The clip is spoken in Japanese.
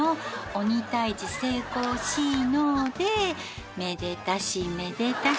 鬼退治成功しーのでめでたしめでたし」